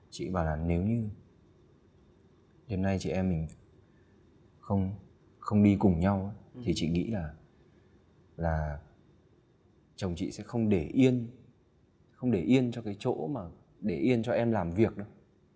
chị bảo là nếu như hiện nay chị em mình không đi cùng nhau thì chị nghĩ là chồng chị sẽ không để yên không để yên cho cái chỗ mà để yên cho em làm việc đâu